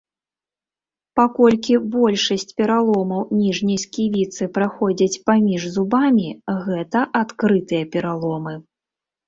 Паколькі большасць пераломаў ніжняй сківіцы праходзяць паміж зубамі, гэта адкрытыя пераломы.